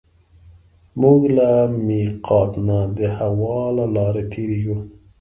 موږ له مېقات نه د هوا له لارې تېرېږو.